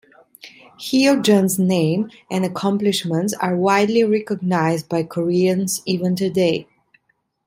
Heo Jun's name and accomplishments are widely recognized by Koreans even today.